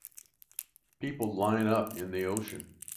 People line up in the ocean.